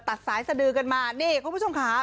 ตัดสายสดือกันมานี่คุณผู้ชมค่ะ